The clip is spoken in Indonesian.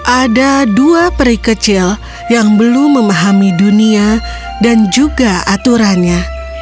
ada dua peri kecil yang belum memahami dunia dan juga aturannya